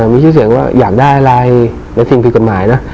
มีชื่อเสียงว่าอยากได้อะไรและสิ่งผิดกฎหมายนะ